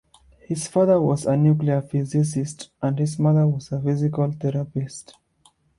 His father was a nuclear physicist and his mother was a physical therapist.